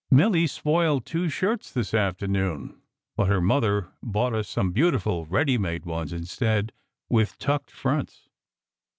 Milly spoiled two shirts this afternoon, but her mother bought us some beautiful readymade ones instead, with tucked fronts."